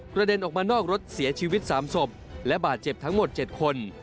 เด็นออกมานอกรถเสียชีวิต๓ศพและบาดเจ็บทั้งหมด๗คน